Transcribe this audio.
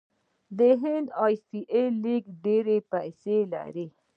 د هند ای پي ایل لیګ ډیرې پیسې لري.